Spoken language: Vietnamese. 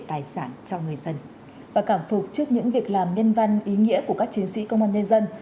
trước những việc làm nhân văn ý nghĩa của các chiến sĩ công an nhân dân